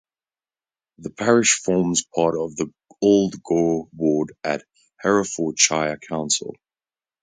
The parish forms part of the Old Gore ward of Herefordshire Council.